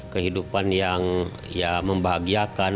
kehidupan yang membahagiakan